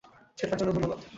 সেটার জন্য ধন্যবাদ।